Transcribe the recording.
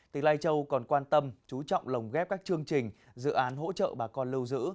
tỉnh lai châu còn quan tâm chú trọng lồng ghép các chương trình dự án hỗ trợ bà con lưu giữ